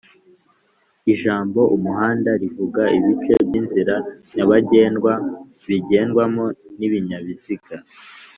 Ijambo "umuhanda" rivuga ibice by'inzira nyabagendwa bigendwamo n'ibinyabiziga